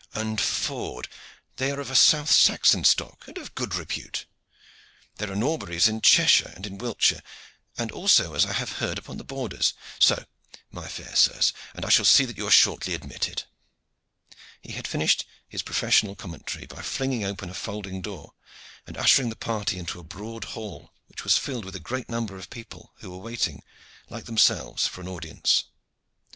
And Ford, they are of a south Saxon stock, and of good repute. There are Norburys in Cheshire and in Wiltshire, and also, as I have heard, upon the borders. So, my fair sirs, and I shall see that you are shortly admitted." He had finished his professional commentary by flinging open a folding door, and ushering the party into a broad hall, which was filled with a great number of people who were waiting, like themselves, for an audience.